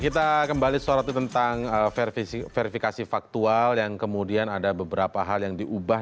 kita kembali sorot tentang verifikasi faktual yang kemudian ada beberapa hal yang diubah